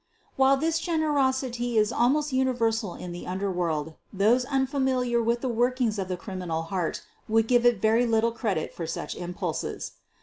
While this generosity is almost universal in the underworld, those unfamiliar with the workings of the criminal heart would give it very little credit for such impulses.